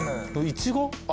イチゴ？